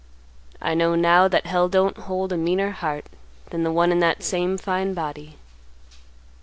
I know now that Hell don't hold a meaner heart than the one in that same fine body.